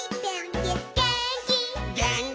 「げーんき」